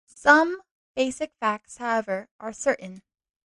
Some basic facts, however, are certain.